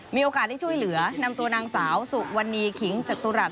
มีโอกาสได้ช่วยเหลือนำตัวนางสาวสุวรรณีขิงจตุรัส